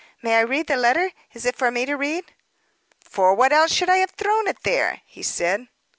"May I read the letter? Is it for me to read?" "For what else should I have thrown it there?" he said.